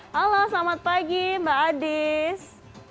halo selamat pagi mbak adis